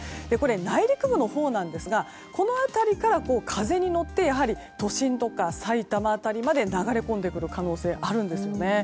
内陸部のほうなんですがこの辺りから風に乗って都心とか埼玉辺りまで流れ込んでくる可能性あるんですよね。